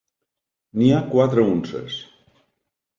N’hi ha quatre unces.